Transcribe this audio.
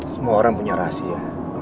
semua orang punya rahasia